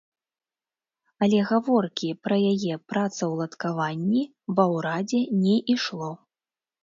Але гаворкі пра яе працаўладкаванні ва ўрадзе не ішло.